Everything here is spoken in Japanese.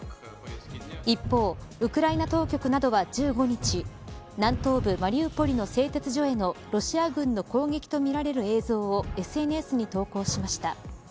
一方ウクライナ当局などは１５日南東部マリウポリの製鉄所へのロシア軍の攻撃とみられる映像をＳＮＳに投稿しました。